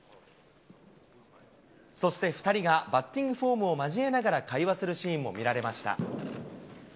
そして、２人がバッティングフォームを交えながら会話するシーンも見られました。